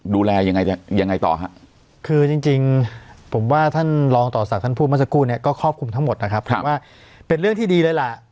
ดูแลยังไงเนี้ย